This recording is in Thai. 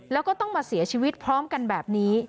แล้วก็ต้องมาเสียชีวิตพร้อมกันแบบนี้